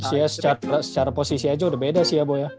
usia secara posisi aja udah beda sih ya bu ya